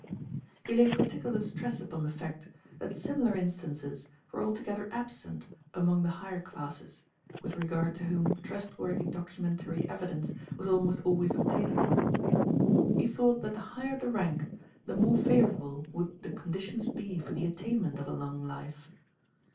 He laid particular stress upon the fact that similar instances were altogether absent among the higher classes, with regard to whom trustworthy documentary evidence was almost always obtainable. He thought that the higher the rank the more favourable would the conditions be for the attainment of a long life.